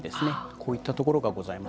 こういったところがございます。